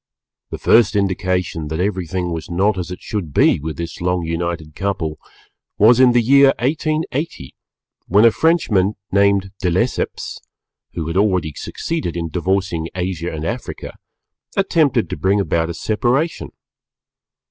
The first indication that everything was not as it should be with this long united couple, was in the year 1880, when a Frenchman named De Lesseps (who had already succeeded in divorcing Asia and Africa) attempted to bring about a separation.